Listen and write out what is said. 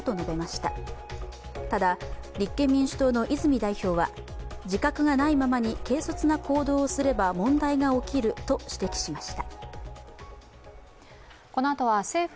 ただ、立憲民主党の泉代表は自覚がないままに軽率な行動をすれば問題が起きると指摘しました。